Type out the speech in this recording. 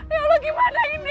ya allah gimana ini